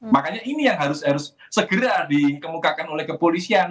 makanya ini yang harus segera dikemukakan oleh kepolisian